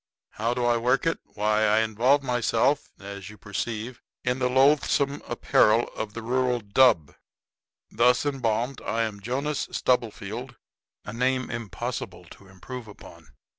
How do I work it? Why, I involve myself, as you perceive, in the loathsome apparel of the rural dub. Thus embalmed I am Jonas Stubblefield a name impossible to improve upon.